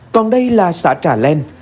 còn đây là xã trà linh